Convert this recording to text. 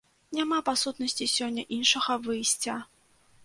Няма па сутнасці сёння іншага выйсця.